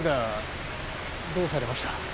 どうされました？